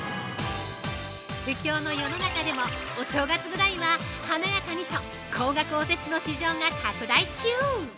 不況の世の中でもお正月ぐらいは華やかにと高額おせちの市場が拡大中。